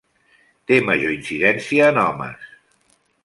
Té major incidència en homes.